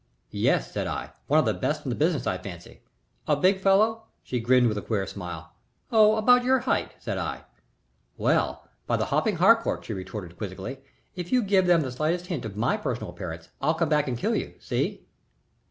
"Yes," said I. "One of the best in the business, I fancy." "A big fellow?" She grinned with a queer smile. "Oh, about your height," said I. "Well, by the hopping Harcourt," she retorted, quizzically, "if you give them the slightest hint of my personal appearance, I'll come back and kill you. See?"